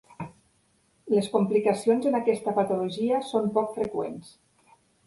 Les complicacions en aquesta patologia són poc freqüents.